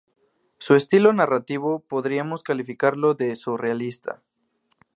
Su estilo narrativo podríamos calificarlo de surrealista.